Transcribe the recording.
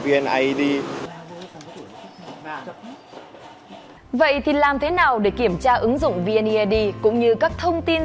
vậy thì làm thế nào để kiểm tra ứng dụng vneid cũng như các thông tin